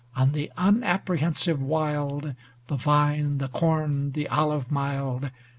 On the unapprehensive wild The vine, the corn, the olive mild.